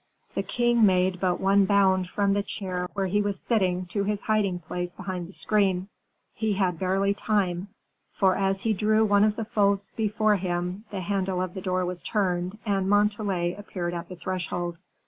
The king made but one bound from the chair where he was sitting to his hiding place behind the screen. He had barely time; for as he drew one of the folds before him, the handle of the door was turned, and Montalais appeared at the threshold.